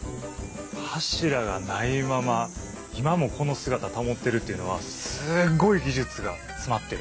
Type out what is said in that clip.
柱がないまま今もこの姿保ってるっていうのはすごい技術が詰まってる。